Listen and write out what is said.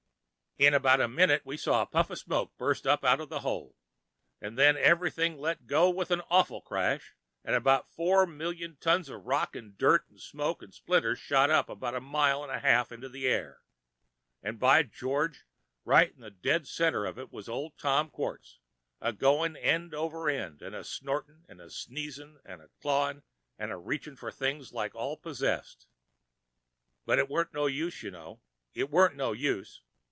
In 'bout a minute we seen a puff of smoke bust up out of the hole, 'n' then everything let go with an awful crash, 'n' about four million ton of rocks 'n' dirt 'n' smoke 'n' splinters shot up 'bout a mile an' a half into the air, an' by George, right in the dead centre of it was old Tom Quartz a goin' end over end, an' a snortin' an' a sneez'n, an' a clawin' an' a reach'n' for things like all possessed. But it warn't no use, you know, it[Pg 147] warn't no use.